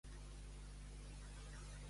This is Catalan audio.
L'amor la pinten cega.